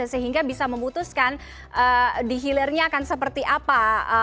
sehingga bisa memutuskan dihilirnya akan seperti apa